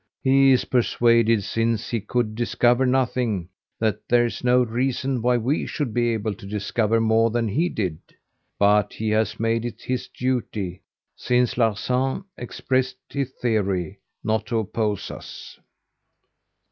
He is persuaded, since he could discover nothing, that there's no reason why we should be able to discover more than he did. But he has made it his duty, since Larsan expressed his theory, not to oppose us."